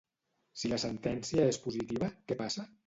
Si la sentència és positiva, què passa?